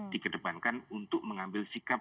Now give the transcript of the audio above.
dikedepankan untuk mengambil sikap